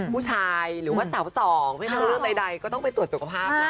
ผู้ชายหรือสาวสองเพื่อนักงานใดก็ต้องไปตรวจสุขภาพ